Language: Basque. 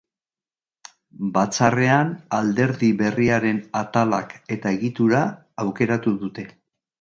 Batzarrean, alderdi berriaren atalak eta egitura aukeratu dute.